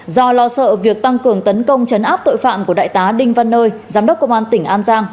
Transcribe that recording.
do lo sợ việc tăng cường tấn công chấn áp tội phạm của đại tá đinh văn nơi giám đốc công an tỉnh an giang